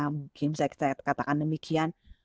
mungkin saya katakan demikian